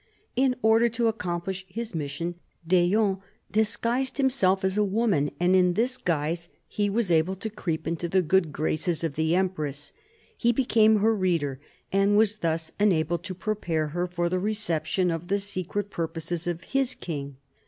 In order to accomplish his mission, d'Eon disguised himself as a woman, and in this guise he was able to creep into the good graces of the Empress. He became her "reader" and was thus enabled to prepare her for the reception of the secret purposes of his king.